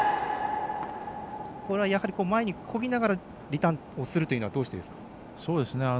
やはり前にこぎながらリターンをするというのはどうしてですか。